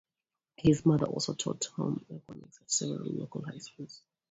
His mother also taught home economics at several local high schools.